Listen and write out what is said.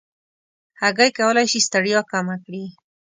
هګۍ کولی شي ستړیا کمه کړي.